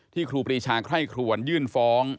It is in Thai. ที่ครูปรีชาใคร่ควรยื่นฟ้อง